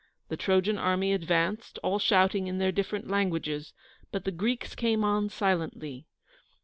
The Trojan army advanced, all shouting in their different languages, but the Greeks came on silently.